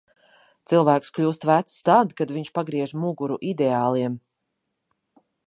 Cilvēks kļūst vecs tad, kad viņš pagriež muguru ideāliem.